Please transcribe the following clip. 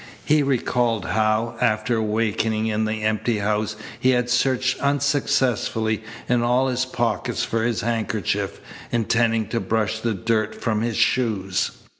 He recalled how, after awaking in the empty house, he had searched unsuccessfully in all his pockets for his handkerchief, intending to brush the dirt from his shoes.